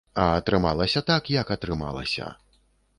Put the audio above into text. А атрымалася так, як атрымалася.